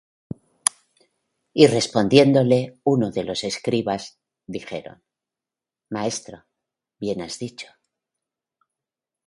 Y respondiéndole unos de los escribas, dijeron: Maestro, bien has dicho.